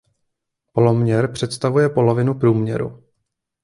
Poloměr představuje polovinu průměru.